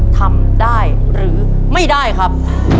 ทำได้หรือไม่ได้ครับ